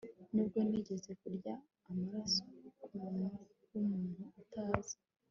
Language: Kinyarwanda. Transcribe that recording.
nubwo nigeze kurya amaraso kumunwa wumuntu utazi